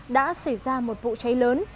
đã xảy ra một vụ cháy lớn